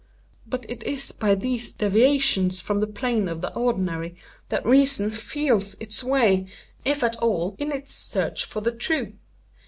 But it is by these deviations from the plane of the ordinary, that reason feels its way, if at all, in its search for the true.